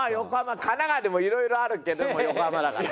神奈川でもいろいろあるけども横浜だから。